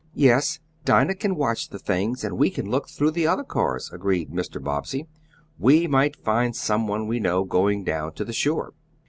"Yes, Dinah can watch the things and we can look through the other cars," agreed Mr. Bobbsey. "We might find someone we know going down to the shore."